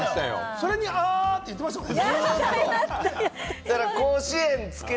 それに、「あ」って言ってましたもん。